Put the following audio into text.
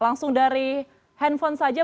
langsung dari handphone saja